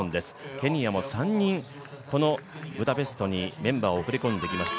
ケニアも３人、このブダペストにメンバーを送ってきました。